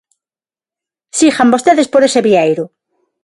Sigan vostedes por ese vieiro.